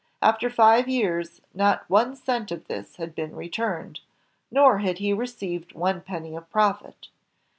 After five years, not one cent of this had been returned, nor had he received one penny of profit.